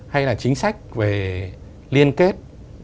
hay là chính sách về liên kết